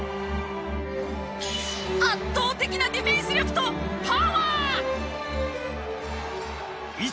圧倒的なディフェンス力とパワー！